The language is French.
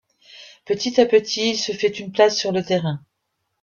Petit à petit, il se fait une place sur le terrain.